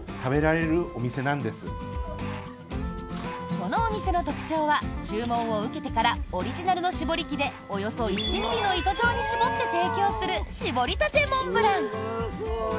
このお店の特徴は注文を受けてからオリジナルの搾り機でおよそ１ｍｍの糸状に搾って提供する搾り立てモンブラン！